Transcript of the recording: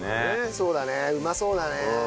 そうだねうまそうだね。